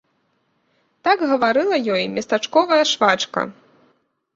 Так гаварыла ёй местачковая швачка.